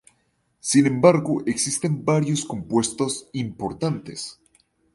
Sin embargo, existen varios compuestos importantes.